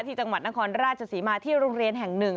จังหวัดนครราชศรีมาที่โรงเรียนแห่งหนึ่ง